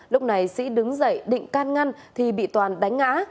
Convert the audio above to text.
lúc này sĩ đứng dậy định can ngăn thì bị toàn đánh ngã